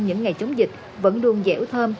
những ngày chống dịch vẫn luôn dẻo thơm